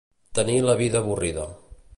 Tenir la vida avorrida.